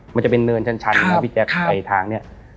มันจะเป็นเนินชันนะพี่แจ๊คไปทางนี้